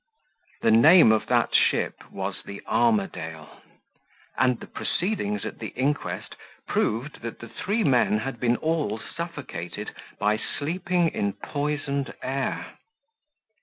The name of that ship was "The Armadale." And the proceedings at the Inquest proved that the three men had been all suffocated by sleeping in poisoned air!